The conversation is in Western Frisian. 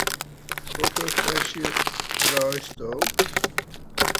Hokker ferzje draaisto?